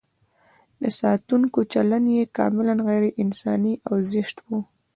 د ساتونکو چلند یې کاملاً غیر انساني او زشت و.